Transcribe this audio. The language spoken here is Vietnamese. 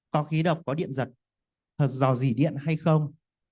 có khí độc có điện giật thật dò dỉ điện hay không